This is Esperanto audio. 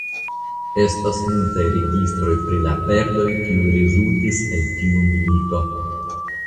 Estas multaj registroj pri la perdoj kiuj rezultis el tiu milito.